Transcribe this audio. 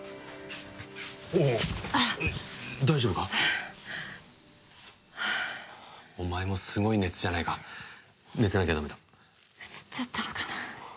おおっ大丈夫か？はあお前もすごい熱じゃないか寝てなきゃダメだうつっちゃったのかな？